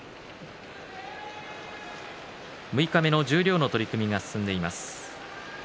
六日目の十両の取組が進んでいます。